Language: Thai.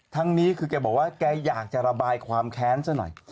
นี้คือแกบอกว่าแกอยากจะระบายความแค้นซะหน่อย